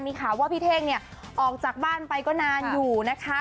มีข่าวว่าพี่เท่งเนี่ยออกจากบ้านไปก็นานอยู่นะคะ